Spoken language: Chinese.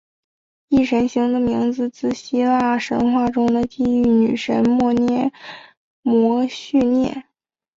忆神星的名字得自希腊神话中的记忆女神谟涅摩叙涅。